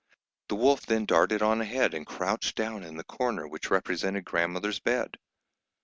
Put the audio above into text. The wolf then darted on ahead and crouched down in the corner which represented grandmother's bed.